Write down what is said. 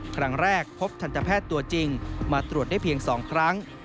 ครั้งแรกพบทันตแพทย์ตัวจริงมาตรวจได้เพียง๒ครั้ง